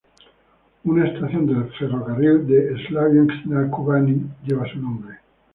Una estación de ferrocarril de Slaviansk-na-Kubani lleva su nombre.